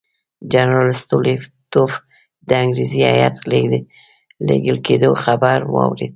جنرال سټولیتوف د انګریزي هیات لېږل کېدلو خبر واورېد.